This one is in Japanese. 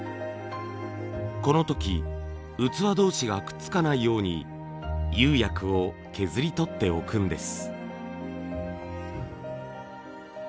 この時器同士がくっつかないように釉薬を削り取っておくんです。